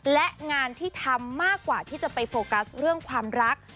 และงานที่ทำมากกว่าที่จะไปโฟกัสเรื่องความรัก